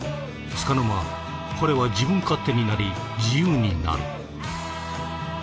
つかの間彼は自分勝手になり自由になる。